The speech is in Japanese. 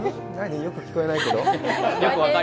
よく聞こえないけど？